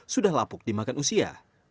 sudah lapuk dimakan usia